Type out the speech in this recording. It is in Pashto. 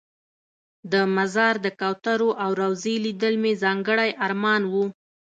د مزار د کوترو او روضې لیدل مې ځانګړی ارمان و.